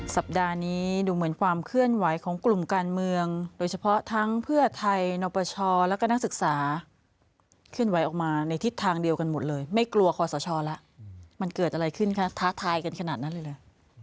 สัปดาห์นี้ดูเหมือนความเคลื่อนไหวของกลุ่มการเมืองโดยเฉพาะทั้งเพื่อไทยนปชแล้วก็นักศึกษาเคลื่อนไหวออกมาในทิศทางเดียวกันหมดเลยไม่กลัวคอสชแล้วมันเกิดอะไรขึ้นคะท้าทายกันขนาดนั้นเลย